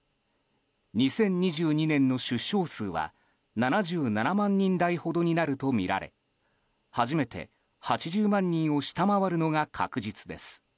２０２２年の出生数は７７万人台ほどになるとみられ初めて８０万人を下回るのが確実です。